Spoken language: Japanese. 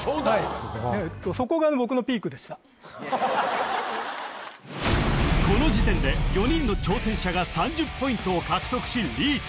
すごいこの時点で４人の挑戦者が３０ポイントを獲得しリーチ